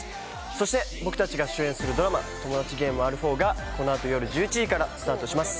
「そして僕たちが主演するドラマ『トモダチゲームＲ４』がこのあと夜１１時からスタートします」